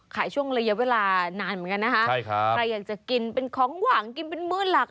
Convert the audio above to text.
ช่วงระยะเวลานานเหมือนกันนะคะใช่ครับใครอยากจะกินเป็นของหวังกินเป็นมือหลัก